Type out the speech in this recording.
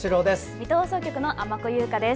水戸放送局の尼子佑佳です。